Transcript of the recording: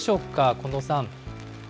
近藤さん。